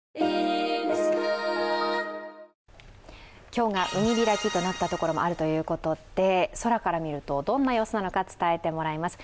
今日が海開きとなったところもあるということで、空から見るとどんな様子なのか伝えてもらいます。